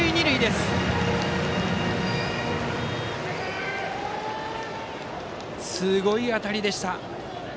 すごい当たりでした。